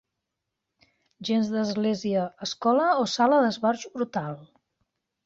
Gens d'església, escola o sala d'esbarjo brutal!